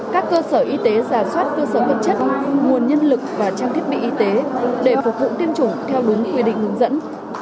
các cơ sở y tế giả soát cơ sở vật chất nguồn nhân lực và trang thiết bị y tế để phục vụ tiêm chủng theo đúng quy định hướng dẫn